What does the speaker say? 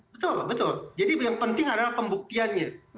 betul betul jadi yang penting adalah pembuktiannya